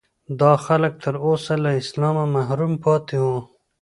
دا خلک تر اوسه له اسلامه محروم پاتې وو.